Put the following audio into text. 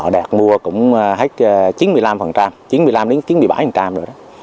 đạt mua cũng hết chín mươi năm chín mươi bảy rồi đó